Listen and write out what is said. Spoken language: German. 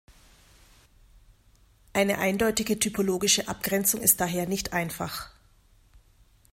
Eine eindeutige typologische Abgrenzung ist daher nicht einfach.